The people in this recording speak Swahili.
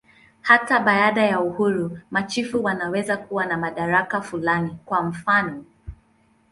Hata baada ya uhuru, machifu wanaweza kuwa na madaraka fulani, kwa mfanof.